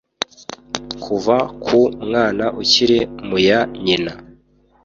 Kuva ku mwana ukiri muya nyina